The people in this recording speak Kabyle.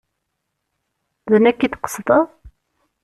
D nekk i d-tqesdeḍ?